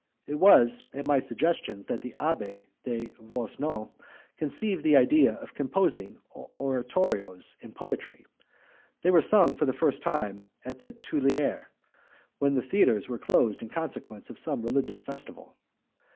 It was at my suggestions that the Abbé de Voisenon conceived the idea of composing oratorios in poetry; they were sung for the first time at the Tuileries, when the theatres were closed in consequence of some religious festival.